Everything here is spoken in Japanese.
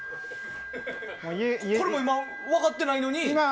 これ今分かってないのに。